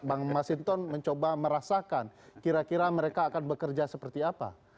bang masinton mencoba merasakan kira kira mereka akan bekerja seperti apa